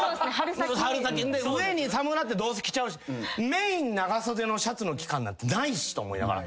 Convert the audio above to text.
春先上に寒なってどうせ着ちゃうしメイン長袖のシャツの期間なんてないしと思いながら。